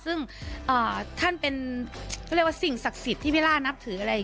ซึ่งท่านเป็นสิ่งศักดิ์สิทธิ์ที่พี่ล่านับถือ